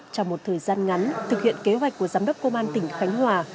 trong một thời gian ngắn thực hiện kế hoạch của giám đốc công an tỉnh khánh hòa